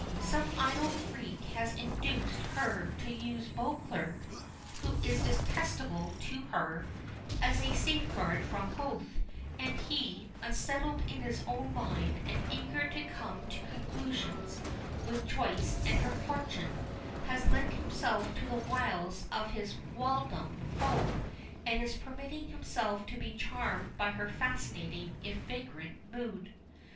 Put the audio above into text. Some idle freak has induced her to use Beauclerk (who is detestable to her) as a safeguard from both, and he, unsettled in his own mind, and eager to come to conclusions with Joyce and her fortune, has lent himself to the wiles of his whilom foe, and is permiting himself to be charmed by her fascinating, if vagrant, mood.